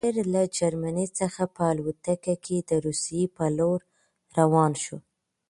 مسافر له جرمني څخه په الوتکه کې د روسيې په لور روان شو.